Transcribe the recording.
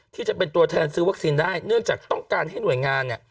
ที่จะเป็นตัวแทนซื้อวัคซีนได้เนื่องจากต้องการให้หน่วยงานเนี่ย